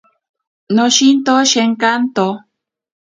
Noshinto shenkanto.